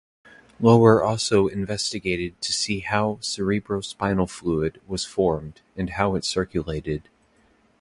Lower also investigated to see how cerebrospinal fluid was formed and how it circulated.